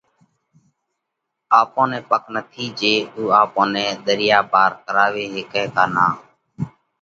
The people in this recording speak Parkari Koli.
آپون نئہ پڪ ئي نٿِي جي اُو آپون نئہ ۮريا پار ڪراوي هيڪئه ڪا نان؟